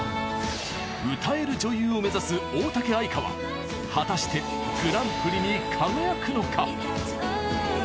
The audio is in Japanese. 歌える女優を目指す大嵩愛花は果たしてグランプリに輝くのか！？